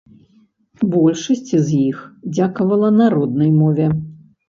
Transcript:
Большасць з іх дзякавала на роднай мове.